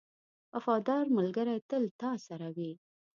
• وفادار ملګری تل تا سره وي.